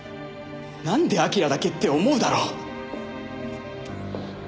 なんで彬だけって思うだろ！